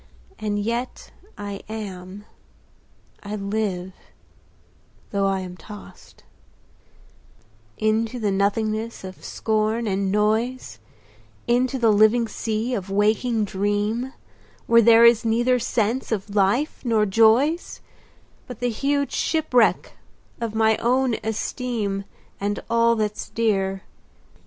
5 And yet I am—I live—though I am toss'd Into the nothingness of scorn and noise, Into the living sea of waking dream, Where there is neither sense of life, nor joys, But the huge shipwreck of my own esteem 10 And all that 's dear.